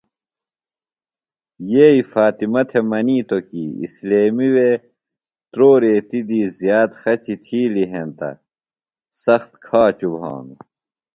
یئی فاطمہ تھےۡ منِیتو کی اِسلیمی وے تُرو ریتیۡ دی زِیات خچیۡ تِھیلیۡ ہینتہ سخت کھاچُوۡ بھانوۡ۔